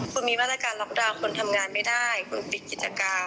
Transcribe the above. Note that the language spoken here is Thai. คุณมีมาตรการล็อกดาวน์คนทำงานไม่ได้คุณปิดกิจการ